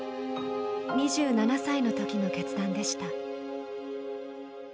２７歳の時の決断でした。